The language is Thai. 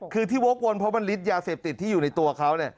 คือที่วกวนเพราะว่าฤทธิยาเสพติดที่อยู่ในตัวเขา